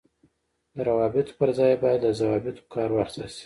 د روابطو پر ځای باید له ضوابطو کار واخیستل شي.